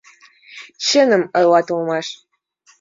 Чыным ойлат улмаш.